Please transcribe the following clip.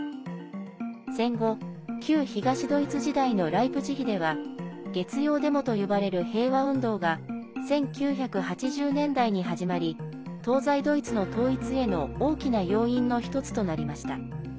戦後、旧東ドイツ時代のライプチヒでは月曜デモと呼ばれる平和運動が１９８０年代に始まり東西ドイツの統一への大きな要因の１つとなりました。